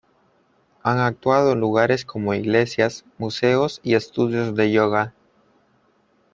Han actuado en lugares como iglesias, museos y estudios de yoga.